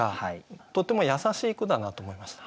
とても優しい句だなと思いました。